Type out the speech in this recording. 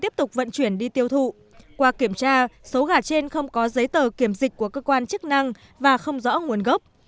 tiếp tục vận chuyển đi tiêu thụ qua kiểm tra số gà trên không có giấy tờ kiểm dịch của cơ quan chức năng và không rõ nguồn gốc